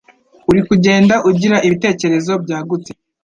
uri kugenda ugira ibitekerezo byagutse,